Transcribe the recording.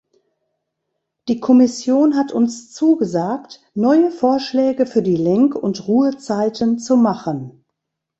Die Kommission hat uns zugesagt, neue Vorschläge für die Lenk- und Ruhezeiten zu machen.